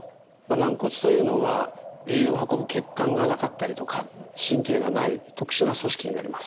軟骨というのは栄養を運ぶ血管がなかったりとか神経がない特殊な組織になります。